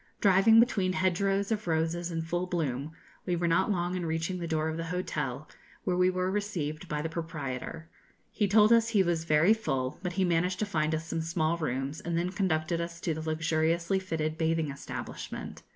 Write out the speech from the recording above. Driving between hedgerows of roses in full bloom, we were not long in reaching the door of the hotel, where we were received by the proprietor. He told us he was very full, but he managed to find us some small rooms, and then conducted us to the luxuriously fitted bathing establishment.